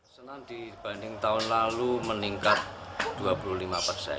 potehi di banding tahun lalu meningkat dua puluh lima persen